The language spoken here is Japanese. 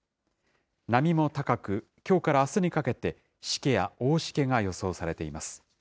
波も高く、きょうからあすにかけて、しけや大しけが予想されています。